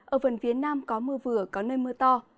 ở phần phía nam có mưa vừa có nơi mưa to